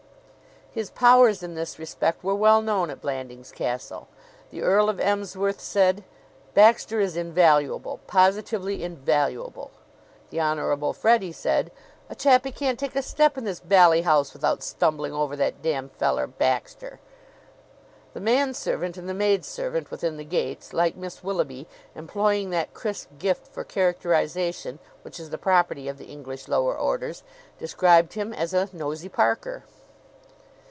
His powers in this respect were well known at Blandings Castle. The Earl of Emsworth said: "Baxter is invaluable positively invaluable." The Honorable Freddie said: "A chappie can't take a step in this bally house without stumbling over that damn feller, Baxter!" The manservant and the maidservant within the gates, like Miss Willoughby, employing that crisp gift for characterization which is the property of the English lower orders, described him as a Nosy Parker.